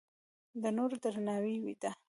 د نورو درناوی ده.